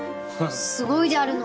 すごいであるな。